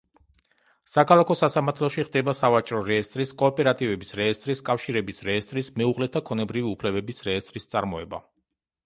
საქალაქო სასამართლოში ხდება სავაჭრო რეესტრის, კოოპერატივების რეესტრის, კავშირების რეესტრის, მეუღლეთა ქონებრივი უფლებების რეესტრის წარმოება.